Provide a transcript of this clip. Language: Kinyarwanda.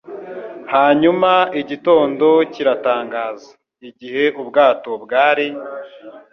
Hanyuma igitondo kiratangaza. Igihe ubwato bwari ,